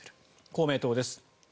公明党です。